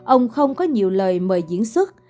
ông không có nhiều lời mời diễn xuất